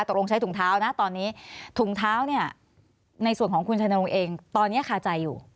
ตรงใช้ถุงเท้านะตอนนี้ถุงเท้าเนี่ยในส่วนของคุณชัยนรงค์เองตอนนี้คาใจอยู่